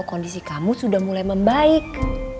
kondisi kamu sudah mulai membaik